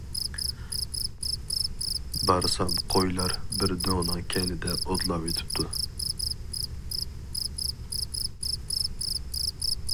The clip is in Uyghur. بارسام قويلار بىر دۆڭنىڭ كەينىدە ئوتلاۋېتىپتۇ.